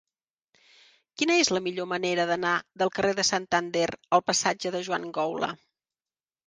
Quina és la millor manera d'anar del carrer de Santander al passatge de Joan Goula?